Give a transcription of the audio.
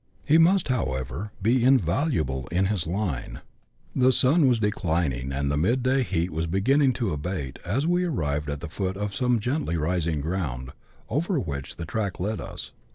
He must, however, be invaluable in his line. The sun was declining, and the mid day heat was beginning to abate, as we arrived at the foot of some gently rising ground, over which the track led us.